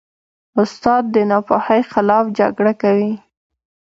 استاد د ناپوهۍ خلاف جګړه کوي.